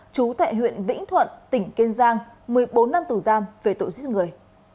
chú tại huyện vĩnh thuận tỉnh kiên giang một mươi bốn năm tù giam về tội giết người